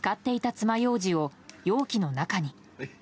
つまようじを容器の中に。